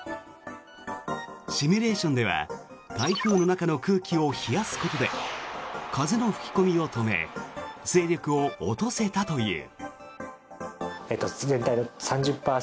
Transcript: シミュレーションでは台風の中の空気を冷やすことで風の吹き込みを止め勢力を落とせたという。